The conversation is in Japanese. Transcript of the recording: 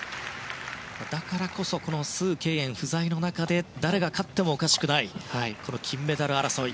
だからこそその選手が不在の中で誰が勝ってもおかしくないこの金メダル争い。